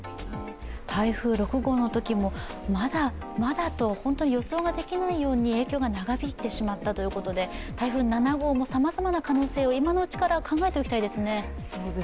台風６号のときも、まだまだと、本当に予想ができないように、影響が長引いてしまったということで、台風７号もさまざまな可能性を今のうちから考えておきたいですね。